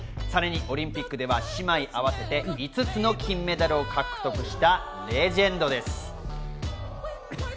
さらにオリンピックでは姉妹合わせて５つの金メダルを獲得したレジェンドです。